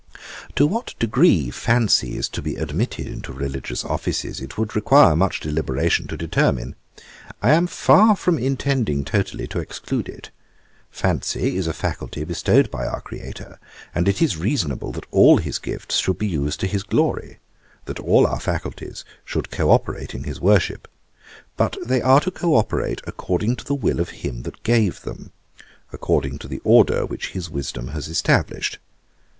'To what degree fancy is to be admitted into religious offices, it would require much deliberation to determine. I am far from intending totally to exclude it. Fancy is a faculty bestowed by our Creator, and it is reasonable that all His gifts should be used to His glory, that all our faculties should co operate in His worship; but they are to co operate according to the will of Him that gave them, according to the order which His wisdom has established.